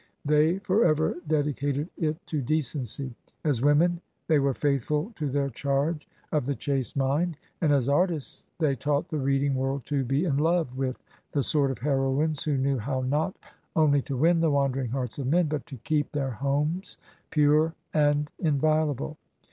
They forever dedicated it to decency; as women they were faithftd to their charge of the chaste mind; and as artists they taught the reading world to be in love with the sort of heroines who knew how not only to win the wandering hearts of men, but to keep their homes pure and inviolable.